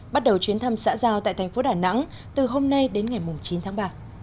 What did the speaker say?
bắt đầu chuyến thăm xã giao tại thành phố đà nẵng từ hôm nay đến ngày chín tháng ba